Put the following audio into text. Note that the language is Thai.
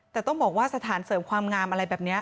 แต่ต้องบอกว่าสถานเสริมความงามอะไรแบบนี้